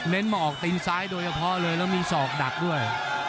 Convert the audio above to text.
เน้นมาออกตีนซ้ายโดยพอเลยแล้วมีสอกดักด้วย